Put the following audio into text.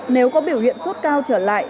nếu có biểu hiện sốt cao trở lại